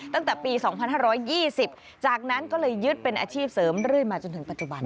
ตั้งแต่ปี๒๕๒๐จากนั้นก็เลยยึดเป็นอาชีพเสริมเรื่อยมาจนถึงปัจจุบัน